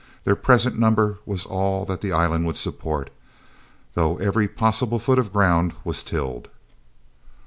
Their present number was all that the island would support, though every possible foot of ground was tilled.